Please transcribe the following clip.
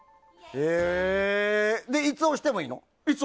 いつ押してもいいの。